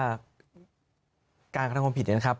การกระทำความผิดเนี่ยนะครับ